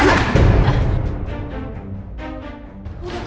udah gak ada